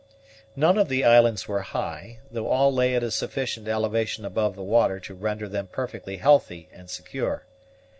None of the islands were high, though all lay at a sufficient elevation above the water to render them perfectly healthy and secure.